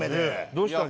どうしたの？